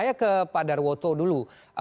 kita panggil pak darwoto dulu